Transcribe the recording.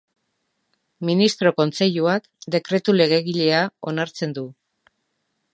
Ministro Kontseiluak Dekretu Legegilea onartzen du.